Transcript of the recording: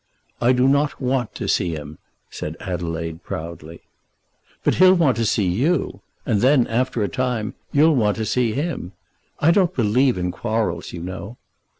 "I do not want to see him," said Adelaide proudly. "But he'll want to see you, and then, after a time, you'll want to see him. I don't believe in quarrels, you know."